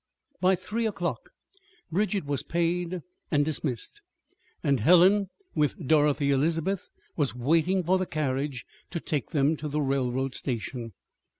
By three o'clock Bridget was paid and dismissed, and Helen, with Dorothy Elizabeth, was waiting for the carriage to take them to the railroad station.